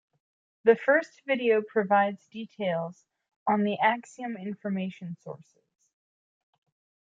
The first video provides details on the Axiom information sources.